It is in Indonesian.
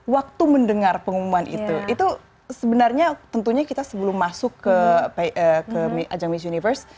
waktu mendengar pengumuman itu itu sebenarnya tentunya kita sebelum masuk ke ajang miss universe